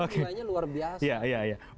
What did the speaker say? karena nilainya luar biasa